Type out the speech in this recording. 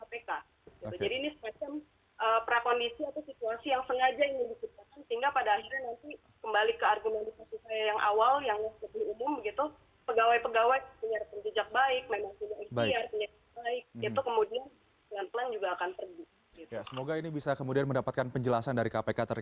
jadi ini semacam prakondisi atau situasi yang sengaja ingin disusulkan